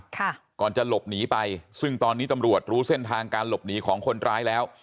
ก่อนจะหลบหนีไปซึ่งตอนนี้ตำรวจรู้เส้นทางการหลบหนีของคนร้ายแล้ว